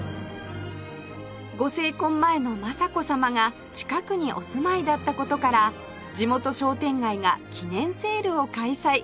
ご成婚前の雅子さまが近くにお住まいだった事から地元商店街が記念セールを開催